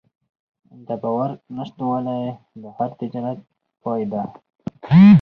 د باور نشتوالی د هر تجارت پای ده.